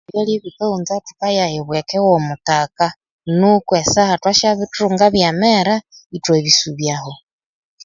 Ebyalya ebikavhunza thukayayibweka egho muttaka nuko esaha thwasyabithunga byamera ithwabiaubyaho